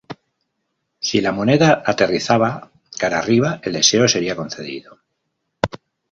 Si la moneda aterrizaba "cara arriba" el deseo sería concedido.